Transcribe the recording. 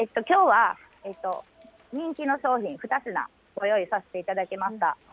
きょうは、人気の商品２つ、ご用意させていただきました。